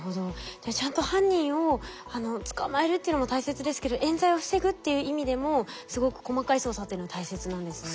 じゃあちゃんと犯人を捕まえるっていうのも大切ですけどえん罪を防ぐっていう意味でもすごく細かい捜査っていうのは大切なんですね。